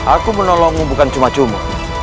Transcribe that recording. aku menolongmu bukan cuma cuma